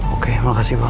oke makasih pak